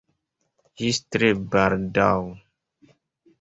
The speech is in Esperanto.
Ĝis tre baldaŭ!